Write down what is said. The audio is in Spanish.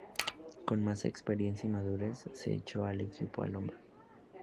Con más experiencia y madurez se echó el equipo al hombro.